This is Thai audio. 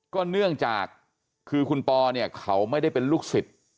เนื่องจากคือคุณปอเนี่ยเขาไม่ได้เป็นลูกศิษย์